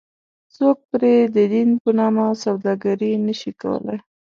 څوک پرې ددین په نامه سوداګري نه شي کولی.